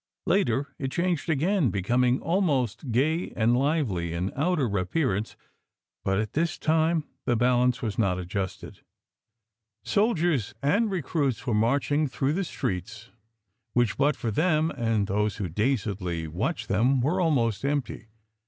Later, it changed again, becoming almost gay and lively in outer appearance, but at this time the balance was not adjusted. Soldiers and recruits were marching through the streets, which but for them and those who dazedly watched them were almost empty.